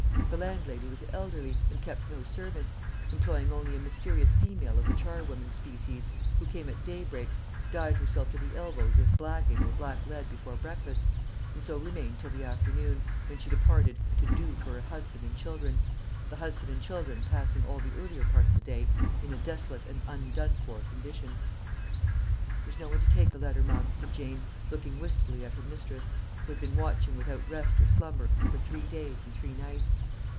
The landlady was elderly, and kept no servant employing only a mysterious female of the charwoman species, who came at daybreak, dyed herself to the elbows with blacking or blacklead before breakfast, and so remained till the afternoon, when she departed to "do for" a husband and children the husband and children passing all the earlier part of the day in a desolate and un "done for" condition. "There's no one to take a letter, mum," said Jane, looking wistfully at her mistress, who had been watching without rest or slumber for three days and three nights.